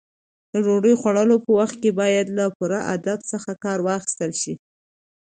د ډوډۍ خوړلو په وخت کې باید له پوره ادب څخه کار واخیستل شي.